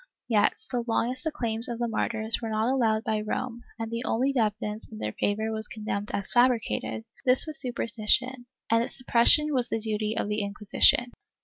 ^ Yet, so long as the claims of the martyrs were not allowed by Rome and the only evidence in their favor was condemned as fabricated, this was superstition, and its suppression was the duty of the Inquisition.